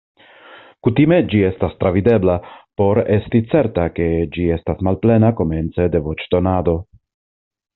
Kutime ĝi estas travidebla por esti certa ke ĝi estas malplena komence de voĉdonado.